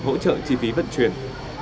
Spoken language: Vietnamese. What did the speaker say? hỗ trợ chi phí vận chuyển